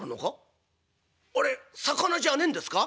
「あれ魚じゃねえんですか？」。